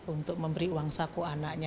untuk memberi uang saku anaknya